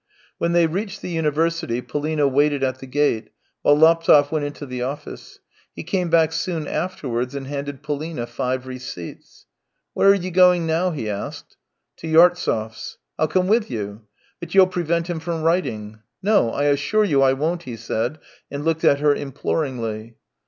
When they reached the university, Polina waited at the gate, while Laptev went into the office; he came back soon afterwards and handed Polina five receipts. " Where are you going now ?" he asked. " To Yartsev's." " ni come with you." " But you'll prevent him from writing." " No, I assure you I won't," he said, and looked at her imploringly.